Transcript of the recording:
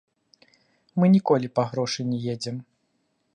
Мы ніколі па грошы не едзем.